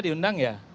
p tiga diundang ya